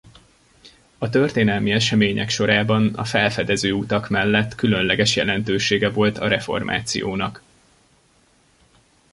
A történelmi események sorában a felfedező utak mellett különleges jelentősége volt a reformációnak.